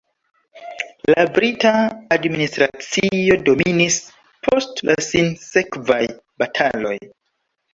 La brita administracio dominis post la sinsekvaj bataloj.